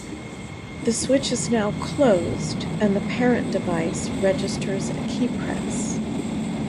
The switch is now "closed", and the parent device registers a keypress.